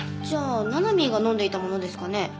じゃあななみーが飲んでいたものですかね？